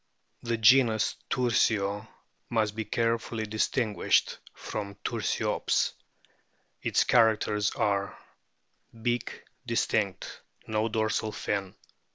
The genus TURSIO must be carefully distinguished from Tur stops. Its characters are : Beak distinct ; no dorsal fin.